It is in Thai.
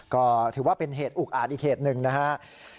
ก็ถือว่าเป็นเหตุอุกอาจอีกเหตุหนึ่งนะครับ